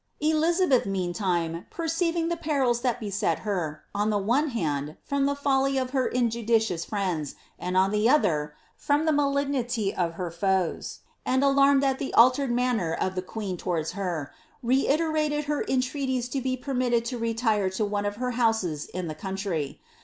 Elizabeth, meantime, perceiving the perils that beset her, on the one hand, from the folly of her injudicious friends, and, on the other, from the malignity of her foes, and alarmed at the altered manner of the queen towards her, reiterated her entreaties to be permitted to retire to one of her houses in the country.'